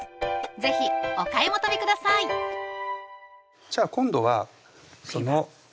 是非お買い求めくださいじゃあ今度はそのマリネ液ですね